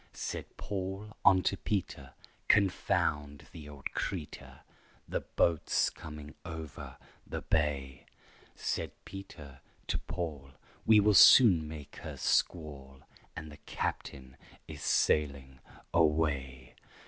Said Paul unto Peter, "Confound the old creetur, The boat's coming over the bay." Said Peter to Paul, "We will soon make her squall, And the captain is sailing away."